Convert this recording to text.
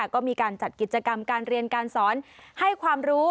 ก็มีการจัดกิจกรรมการเรียนการสอนให้ความรู้